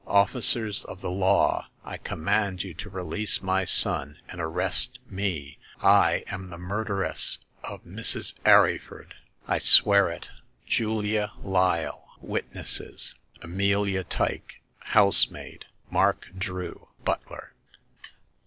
Officers of the law, I command you to release my son and arrest me. I am the murderess of Mrs. Arryford. I swear it. "Witnesses: Julia Lyle. " Amelia Tyke (housemaid). " Mark Drew (butler)."